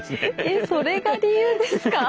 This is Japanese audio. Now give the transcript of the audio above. えっそれが理由ですか？